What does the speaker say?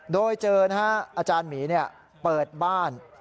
โดยเจอนะฮะอาจารย์หมีเปิดบ้าน